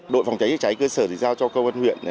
đội phòng cháy cháy cơ sở thì giao cho cơ quan huyện